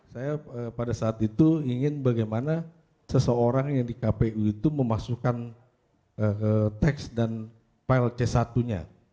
saya pada saat itu ingin bagaimana seseorang yang di kpu itu memasukkan teks dan file c satu nya